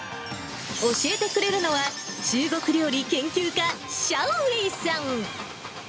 教えてくれるのは、中国料理研究家、シャウ・ウェイさん。